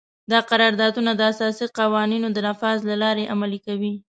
دا قراردادونه د اساسي قوانینو د نفاذ له لارې عملي کوي.